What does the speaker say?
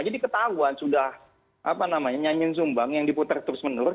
jadi ketahuan sudah nyanyin zumbang yang diputer terus menurut